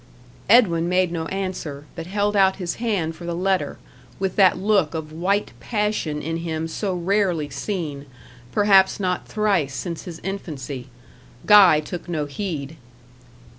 Edwin made no answer; but held out his hand for the letter, with that look of white passion in him so rarely seen perhaps not thrice since his infancy. Guy took no heed.